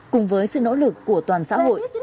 cùng với sự nỗ lực của toàn xã hội